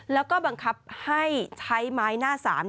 แล้วก็บังคับให้ใช้ไม้หน้าสาม